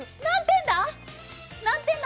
何点だ？